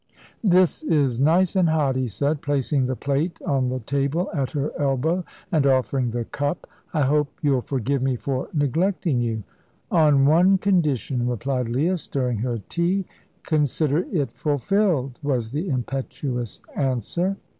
"This is nice and hot," he said, placing the plate on the table at her elbow and offering the cup. "I hope you'll forgive me for neglecting you." "On one condition," replied Leah, stirring her tea. "Consider it fulfilled," was the impetuous answer.